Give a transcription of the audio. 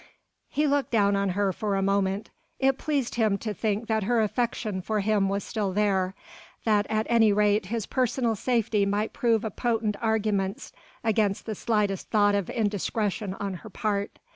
He looked down on her for a moment. It pleased him to think that her affection for him was still there, that at any rate his personal safety might prove a potent argument against the slightest thought of indiscretion on her part.